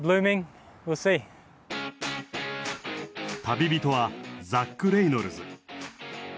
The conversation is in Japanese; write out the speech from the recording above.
旅人はザック・レイノルズ。